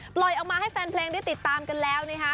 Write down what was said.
ปล่อยออกมาให้แฟนเพลงได้ติดตามกันแล้วนะคะ